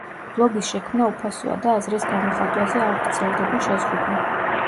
ბლოგის შექმნა უფასოა და აზრის გამოხატვაზე არ ვრცელდება შეზღუდვა.